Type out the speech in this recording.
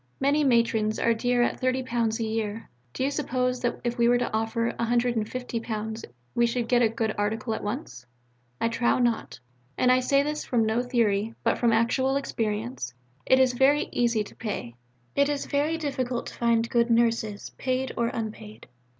Many matrons are dear at £30 a year. Do you suppose that if we were to offer £150 we should get a good article at once? I trow not; and I say this from no theory, but from actual experience. It is very easy to pay. It is very difficult to find good Nurses, paid or unpaid.